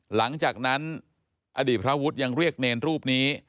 หลังจากนั้นอดีตพระวุฒิยังเรียกเนรรูปนี้